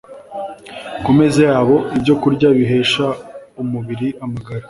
ku meza yabo ibyokurya bihesha umubiri amagara